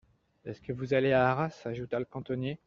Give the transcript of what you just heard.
Est-ce que vous allez à Arras ? ajouta le cantonnier.